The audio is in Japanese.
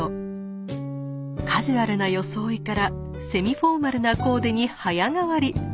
カジュアルな装いからセミフォーマルなコーデに早変わり。